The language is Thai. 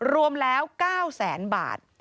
รวมแล้ว๙แสนบาท